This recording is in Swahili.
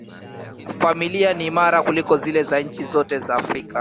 Familia ni imara kuliko zile za nchi zote za Afrika.